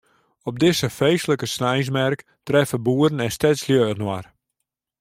Op dizze feestlike sneinsmerk treffe boeren en stedslju inoar.